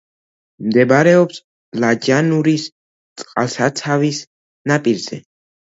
მდებარეობს ლაჯანურის წყალსაცავის ნაპირზე.